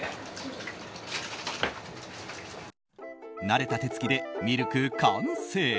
慣れた手つきでミルク完成！